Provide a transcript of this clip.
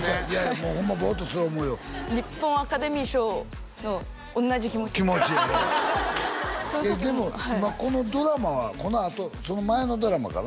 もうホンマボーッとする思うよ日本アカデミー賞の同じ気持ちですいやでも今このドラマはこのあとその前のドラマかな？